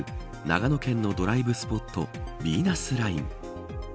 長野県のドライブスポットビーナスライン。